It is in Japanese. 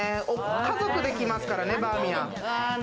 家族で来ますからね、バーミヤン。